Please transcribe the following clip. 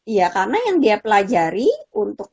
iya karena yang dia pelajari untuk